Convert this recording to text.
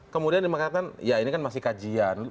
kemudian dikatakan ya ini kan masih kajian